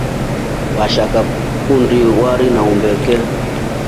Vashaka tukundii warii wa umbeke.